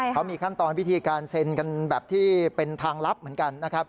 เขามีขั้นตอนวิธีการเซ็นกันแบบที่เป็นทางลับเหมือนกันนะครับ